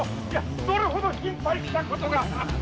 どれほど心配したことか！